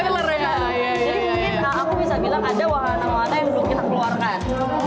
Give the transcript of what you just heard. mungkin aku bisa bilang ada wahana wahana yang belum kita keluarkan